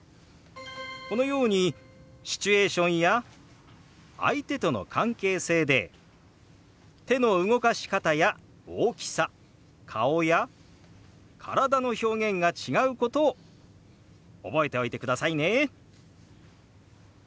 このようにシチュエーションや相手との関係性で手の動かし方や大きさ顔や体の表現が違うことを覚えておいてくださいね。